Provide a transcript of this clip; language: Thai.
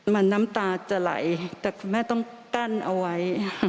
มันน้ำตาจะไหลแต่คุณแม่ต้องกั้นเอาไว้